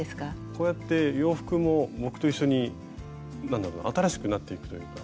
こうやって洋服も僕と一緒になんだろうな新しくなっていくというか。